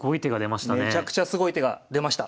めちゃくちゃすごい手が出ました。